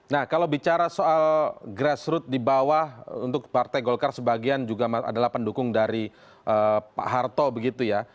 nah kalau bicara soal grassroot di bawah untuk partai golkar sebagian juga adalah pendukung dari pak harto begitu ya